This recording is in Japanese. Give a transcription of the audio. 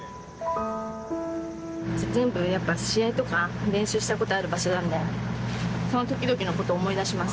全部試合とか練習したことある場所なので、そのときどきのことを思い出します。